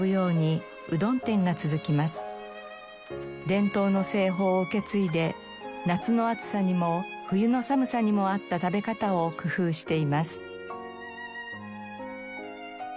伝統の製法を受け継いで夏の暑さにも冬の寒さにも合った食べ方を工夫しています。